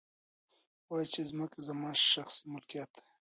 هغه وايي چې ځمکې زما شخصي ملکیت دی